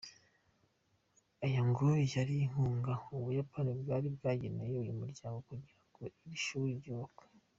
Aya ngo yari inkunga Ubuyapani bwari bwageneye uyu muryango, kugira ngo iri shuli ryubakwe.